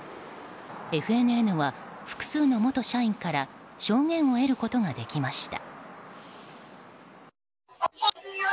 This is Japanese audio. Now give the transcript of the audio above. ＦＮＮは、複数の元社員から証言を得ることができました。